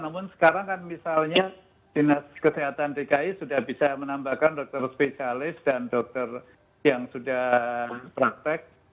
namun sekarang kan misalnya dinas kesehatan dki sudah bisa menambahkan dokter spesialis dan dokter yang sudah praktek